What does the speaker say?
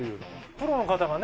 プロの方がね